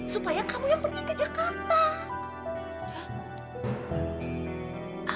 supaya kamu yang pergi ke jakarta